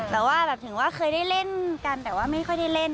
แต่ว่าแบบถึงว่าเคยได้เล่นกันแต่ว่าไม่ค่อยได้เล่น